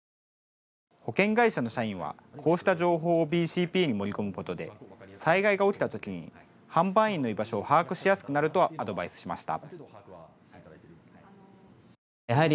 保険会社の社員はこうした情報をＢＣＰに盛り込むことで災害が起きたときに販売員の居場所を把握しやすくなるとアドバイスしました。